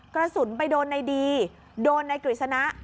กระสุนไปโดนนายดีโดนนายกฤษณะ